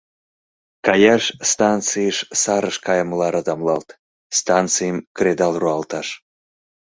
Каяш станцийыш сарыш кайымыла радамлалт, станцийым кредал руалташ.